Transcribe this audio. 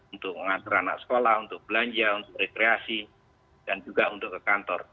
untuk mengatur anak sekolah untuk belanja untuk rekreasi dan juga untuk ke kantor